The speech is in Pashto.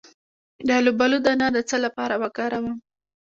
د الوبالو دانه د څه لپاره وکاروم؟